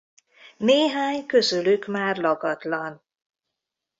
Néhány közülük már lakatlan.